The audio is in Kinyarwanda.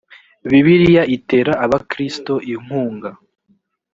bibiliya itera abakristo inkunga